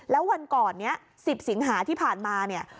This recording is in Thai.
แล้ววันก่อนนี้๑๐สิงหาที่ผ่านมาเนี่ย